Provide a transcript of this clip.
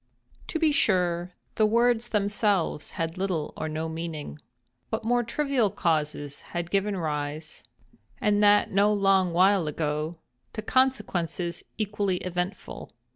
To be sure the words themselves had little or no meaning. But more trivial causes have given rise—and that no long while ago—to consequences equally eventful.